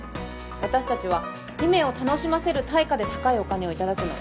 私たちは姫を楽しませる対価で高いお金を頂くの。